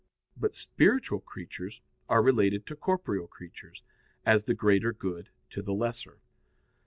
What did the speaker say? But spiritual creatures are related to corporeal creatures, as the greater good to the lesser.